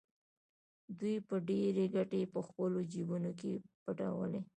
دوی به ډېرې ګټې په خپلو جېبونو کې پټولې